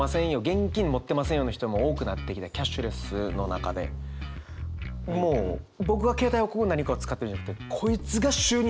現金持ってませんよの人も多くなってきたキャッシュレスの中でもう僕が携帯をこう何かを使ってるんじゃなくてこいつが主になってるというか。